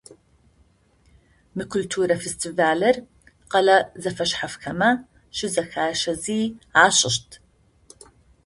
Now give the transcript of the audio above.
Мы культурэ фестивалыр къэлэ зэфэшъхьафхэмэ щызэхащэзи ашӏыщт.